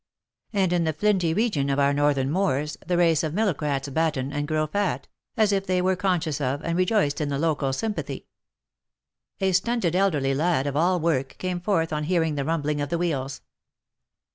And in the flinty region of our northern moors, the race of Millocrats batten, and grow fat, as if they were conscious of, and rejoiced in the local sympathy. A stunted elderly lad of all work, came forth on hearing the rum bling of the wheels.